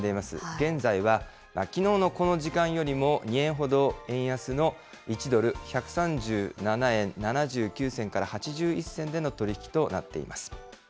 現在は、きのうのこの時間よりも２円ほど円安の１ドル１３７円７９銭から８１銭での取り引きとなっています。